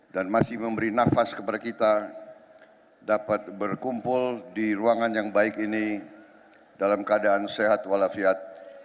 dan masih memberi nafas kepada kita dapat berkumpul di ruangan yang baik ini dalam keadaan sehat walafiat